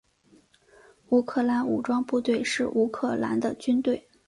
乌克兰武装部队是乌克兰的军队。